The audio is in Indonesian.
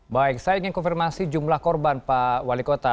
baik saya ingin konfirmasi jumlah korban pak wali kota